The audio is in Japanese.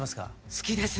好きですね。